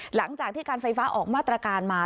หลังจากที่การไฟฟ้าออกมาตรการมา